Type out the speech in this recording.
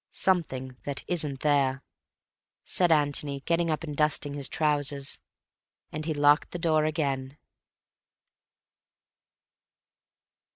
"Something that isn't there," said Antony, getting up and dusting his trousers. And he locked the door again.